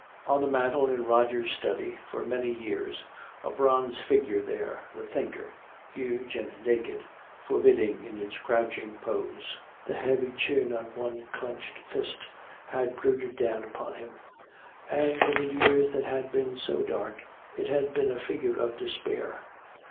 On the mantle in Roger's study, for many years a bronze figure there, "The Thinker," huge and naked, forbidding in its crouching pose, the heavy chin on one clenched fist, had brooded down upon him. And in the years that had been so dark, it had been a figure of despair.